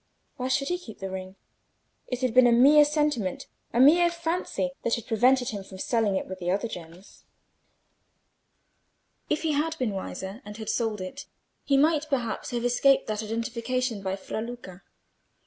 Why should he keep the ring? It had been a mere sentiment, a mere fancy, that had prevented him from selling it with the other gems; if he had been wiser and had sold it, he might perhaps have escaped that identification by Fra Luca.